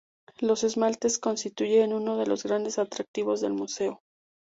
Los esmaltes constituyen uno de los grandes atractivos del museo.